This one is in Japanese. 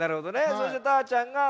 そしてたーちゃんが「たなばた」。